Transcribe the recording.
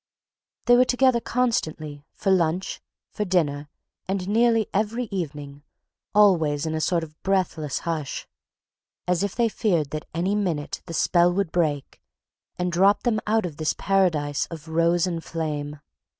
They were together constantly, for lunch, for dinner, and nearly every evening—always in a sort of breathless hush, as if they feared that any minute the spell would break and drop them out of this paradise of rose and flame.